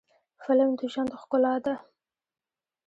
فلم د ژوند ښکلا ده